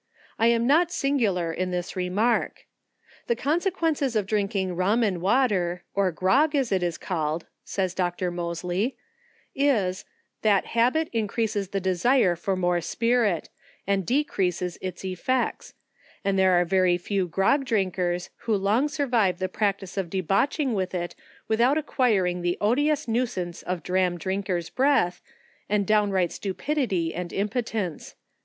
I am not singular in this remark. " The conse quences of drinking rum and water, or grog, as it is call ed, (says Dr. Moscly) is, that habit increases the desire of more spirit, and decreases its effects ; and there arc very few grog drinkers, who long survive the practice of debauching with it without acquiring the odious nuisance of dram drinkers breath, and down right stupidity and impotence."